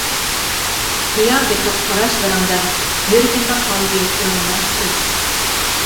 قىيا بېقىپ قاراشلىرىڭدىن، يۈرىكىمدە قالدى ئۆڭمەس ئىز.